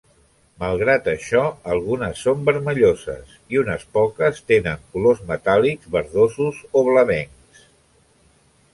Malgrat això algunes són vermelloses i unes poques tenen colors metàl·lics verdosos o blavencs.